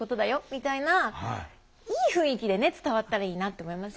みたいないい雰囲気で伝わったらいいなって思いますよね。